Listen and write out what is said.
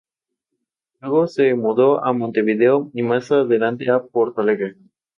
Su discografía es abundante.